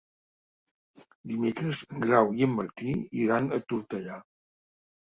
Dimecres en Grau i en Martí iran a Tortellà.